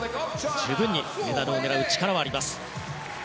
十分にメダルを狙う力はあります。